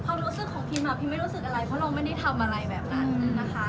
ความรู้สึกของพิมพิมไม่รู้สึกอะไรเพราะเราไม่ได้ทำอะไรแบบนั้นนะคะ